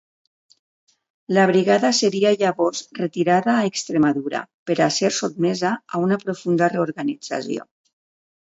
La brigada seria llavors retirada a Extremadura, per a ser sotmesa a una profunda reorganització.